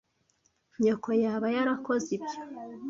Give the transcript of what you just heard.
Nyoko yaba yarakoze ibyo?